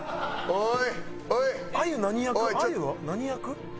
おい！